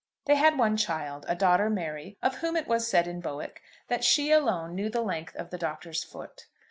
They had one child, a daughter, Mary, of whom it was said in Bowick that she alone knew the length of the Doctor's foot.